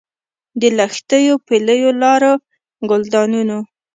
د لښتیو، پلیو لارو، ګلدانونو